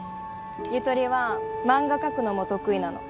ゆとりは漫画描くのも得意なの。